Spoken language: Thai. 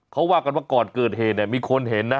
เขาว่ากันว่าก่อนเกิดเหตุเนี่ยมีคนเห็นนะ